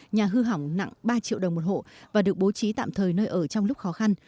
nhà hư hỏng nặng ba triệu đồng một hộ và được bố trí tạm thời nơi ở trong lúc khó khăn